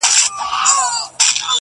ما د عشق سبق ویلی ستا د مخ په سېپارو کي,